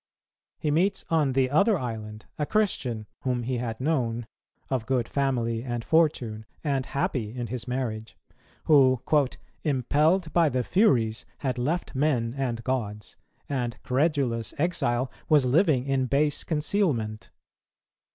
He meets on the other island a Christian, whom he had known, of good family and fortune, and happy in his marriage, who "impelled by the Furies had left men and gods, and, credulous exile, was living in base concealment.